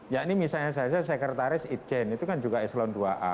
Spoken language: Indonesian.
ya ini misalnya saja sekretaris ijen itu kan juga eselon dua a